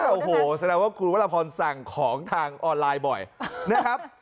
โอ้โหแสดงว่าคุณวรพรสั่งของทางออนไลน์บ่อยนะครับ